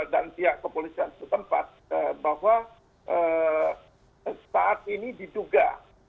dan pihak kepolisian setempat bahwa saat ini diduga